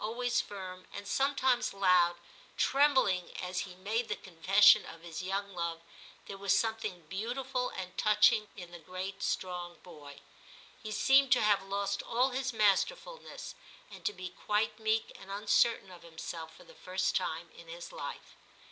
always firm, and sometimes loud, trembling as he made the confession of his young love, there was something beautiful and touching in the great strong boy ; he seemed to have lost all his masterfulness, and to be quite meek and uncertain of himself for the first time in his life.